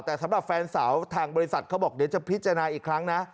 แต่สำหรับแฟนสาวทางบริษัทเขาบอกเดี๋ยวจะพิจารณาอีกครั้งนะ